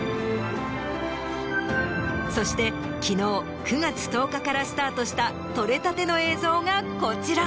そして昨日９月１０日からスタートした撮れたての映像がこちら。